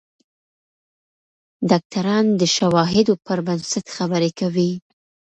ډاکتران د شواهدو پر بنسټ خبرې کوي.